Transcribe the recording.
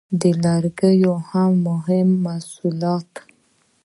د لرګیو مهم محصولات: